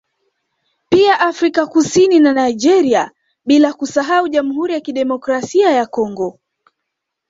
Pia Afrika Kusini na Nigeria bila kusahau Jamhuri ya Kidemikrasia ya Congo